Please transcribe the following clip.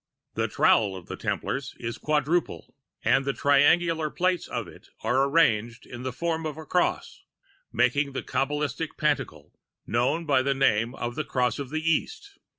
] "The trowel of the Templars is quadruple, and the triangular plates of it are arranged in the form of a cross, making the Kabalistic pantacle known by the name of the Cross of the East.